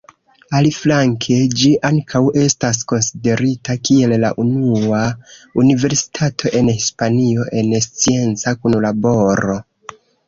Aliflanke, ĝi ankaŭ estas konsiderita kiel la unua universitato en Hispanio en scienca kunlaboro.